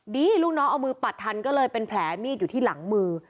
ลูกน้องเอามือปัดทันก็เลยเป็นแผลมีดอยู่ที่หลังมือ